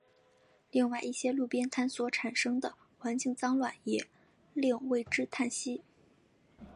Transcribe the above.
另外一些路边摊所产生的环境脏乱也令为之叹息。